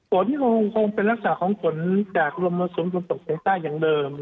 ฝนคงเป็นลักษณะของฝนจากลมสูงจนตกในใต้อย่างเดิม